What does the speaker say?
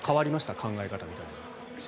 考え方みたいなの。